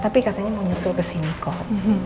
tapi katanya mau nyusul kesini kok